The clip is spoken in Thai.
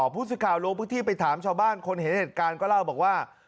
ผู้สื่อข่าวลงพื้นที่ไปถามชาวบ้านคนเห็นเหตุการณ์ก็เล่าบอกว่า